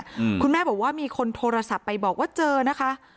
อืมคุณแม่บอกว่ามีคนโทรศัพท์ไปบอกว่าเจอนะคะ